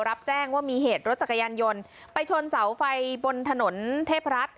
รับแจ้งว่ามีเหตุรถจักรยานยนต์ไปชนเสาไฟบนถนนเทพรัฐ